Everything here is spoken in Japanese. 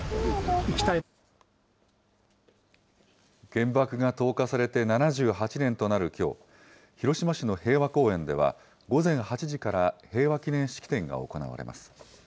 原爆が投下されて７８年となるきょう、広島市の平和公園では、午前８時から平和記念式典が行われます。